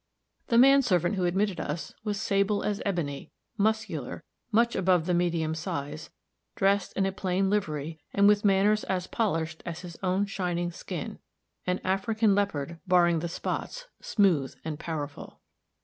The man servant who admitted us was sable as ebony, muscular, much above the medium size, dressed in a plain livery, and with manners as polished as his own shining skin an African leopard, barring the spots, smooth and powerful.